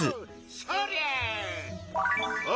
そりゃ！